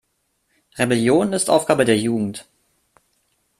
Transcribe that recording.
Rebellion ist Aufgabe der Jugend.